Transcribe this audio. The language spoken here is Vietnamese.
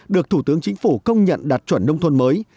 được thủ tướng chính phủ công nhận đạt chuẩn nông thôn mới